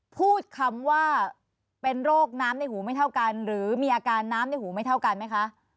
พูดคำว่าเป็นโรคน้ำในหูไม่เท่ากันหรือมีอาการน้ำในหูไม่เท่ากันไหมคะ